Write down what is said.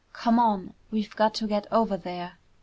Come on! We've got to get over there!"